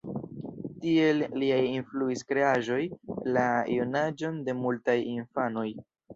Tiel liaj influis kreaĵoj la junaĝon de multaj infanoj.